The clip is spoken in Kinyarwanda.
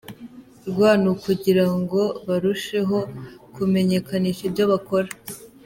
Rw kugira ngo barusheho kumenyekanisha ibyo bakora.